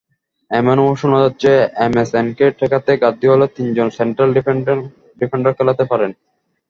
এমনও শোনা যাচ্ছে, এমএসএনকে ঠেকাতে গার্দিওলা তিনজন সেন্ট্রাল ডিফেন্ডার খেলাতে পারেন।